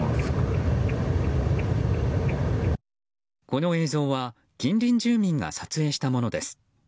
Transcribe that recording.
この映像は近隣住民が撮影したものです。